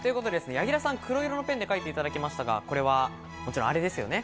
柳楽さん、黒色のペンで描いていただきましたが、あれですよね？